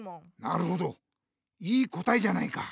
なるほどいい答えじゃないか。